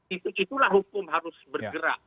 itulah hukum harus bergerak